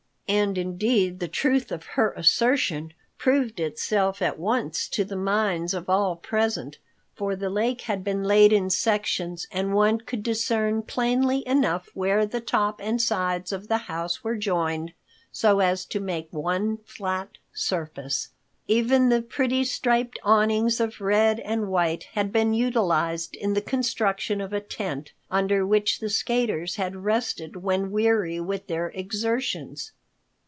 And indeed the truth of her assertion proved itself at once to the minds of all present, for the lake had been laid in sections and one could discern plainly enough where the top and sides of the house were joined so as to make one flat surface. Even the pretty striped awnings of red and white had been utilized in the construction of a tent, under which the skaters had rested when weary with their exertions.